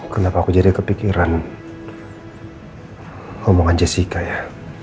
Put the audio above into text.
kenapa aku jadi kepikiran omongan jessica ya